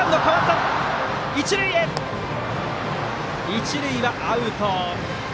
一塁はアウト。